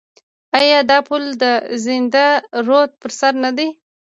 آیا دا پل د زاینده رود پر سر نه دی؟